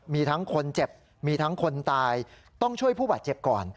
มีทั้งคนเจ็บมีทั้งคนตายต้องช่วยผู้บาดเจ็บก่อน